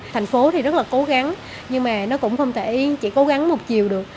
thành phố thì rất là cố gắng nhưng mà nó cũng không thể chỉ cố gắng một chiều được